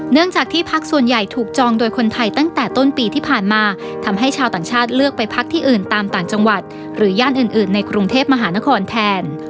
เนื่องจากที่พักส่วนใหญ่ถูกจองโดยคนไทยตั้งแต่ต้นปีที่ผ่านมาทำให้ชาวต่างชาติเลือกไปพักที่อื่นตามต่างจังหวัดหรือย่านอื่นในกรุงเทพมหานครแทน